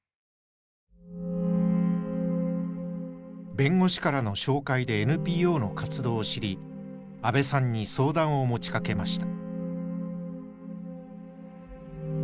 弁護士からの紹介でＮＰＯの活動を知り阿部さんに相談を持ちかけました。